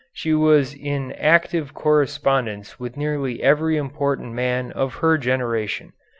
She was in active correspondence with nearly every important man of her generation.